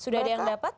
sudah ada yang dapat